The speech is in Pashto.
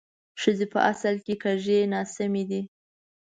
ښځې په اصل کې کږې ناسمې دي